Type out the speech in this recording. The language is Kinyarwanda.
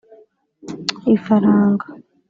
’Ifaranga’